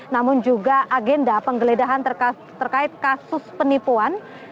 namun juga agenda penggeledahan terkait kasus penipuan